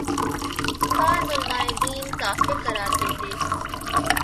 بعض علماے دین کافر قرار دیتے